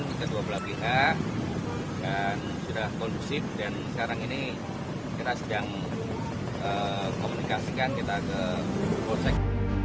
kedua belah pihak dan sudah kondusif dan sekarang ini kita sedang komunikasikan kita ke polsek